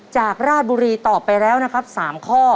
จากราชบุรีตอบไปแล้วนะครับ๓ข้อ